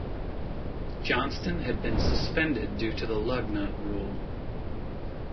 Johnston had been suspended due to the lug nut rule.